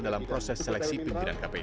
dalam proses seleksi pimpinan kpk